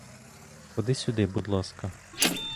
Ходи сюди, будь ласка!